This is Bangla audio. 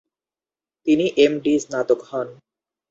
তিনি এম.ডি স্নাতক হন।